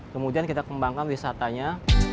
kemudian kita kembangkan wisatanya